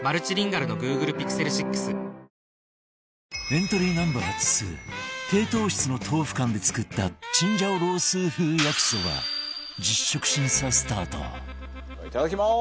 「ＮＯＮＩＯ」エントリーナンバー２低糖質の豆腐干で作ったチンジャオロースー風焼きそばいただきます！